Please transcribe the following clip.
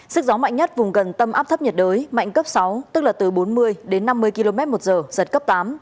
sức gió mạnh nhất vùng gần tâm áp thấp nhiệt đới mạnh cấp sáu tức là từ bốn mươi đến năm mươi km một giờ giật cấp tám